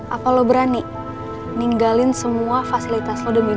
apa lo berani ninggalin semua fasilitas lo demi gue